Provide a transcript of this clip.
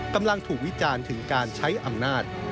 กำลังถูกวิจารณ์ถึงการใช้อำนาจ